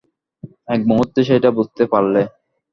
এক মুহূর্তেই সেটা বুঝতে পারলে।